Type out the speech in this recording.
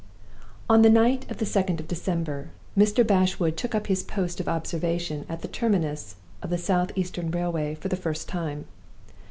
On the night of the 2d of December, Mr. Bashwood took up his post of observation at the terminus of the South eastern Railway for the first time.